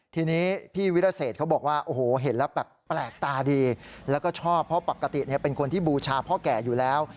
ทีนี้พี่วิรเศษเขาบอกว่าโอ้โหเห็นแล้วแบบแปลกตาดีแล้วก็ชอบเพราะปกติเป็นคนที่บูชาพ่อแก่อยู่แล้ว